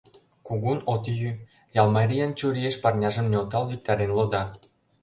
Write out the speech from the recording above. Кугун от йӱ, — ялмарийын чурийыш парняжым нӧлтал-виктарен лода.